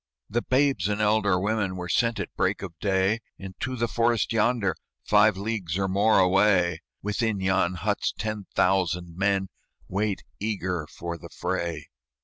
"The babes and elder women Were sent at break of day Into the forest yonder, Five leagues or more away: Within yon huts ten thousand men Wait eager for the fray."